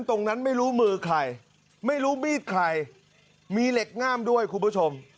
ตรงนั้นไม่รู้มือใครไม่รู้มีดใครมีเหล็กง่ามด้วยคุณผู้ชม